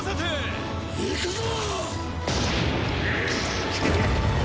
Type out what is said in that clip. いくぞ！